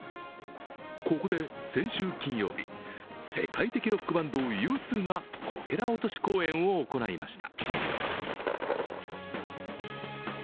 ここで先週金曜日、世界的ロックバンド、Ｕ２がこけら落とし公演を行いました。